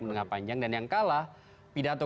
menengah panjang dan yang kalah pindah atau